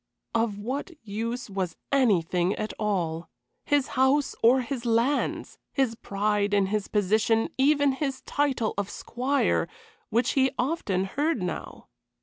Of what use was anything at all? His house or his lands! His pride in his position even his title of "squire," which he often heard now.